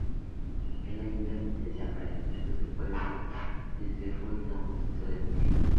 El Ayuntamiento de San Francisco se puede ver desde Fulton Street.